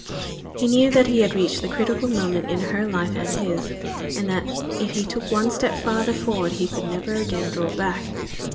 He knew that he had reached the critical moment in her life and his, and that if he took one step farther forward he could never again draw back.